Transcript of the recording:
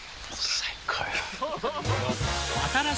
最高よ。